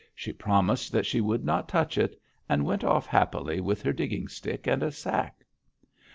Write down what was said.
She promised that she would not touch it, and went off happily with her digging stick and a sack.